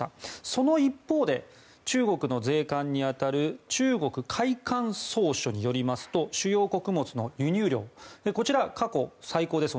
その一方で中国の税関に当たる中国海関総署によりますと主要穀物の輸入量こちら、過去最高です。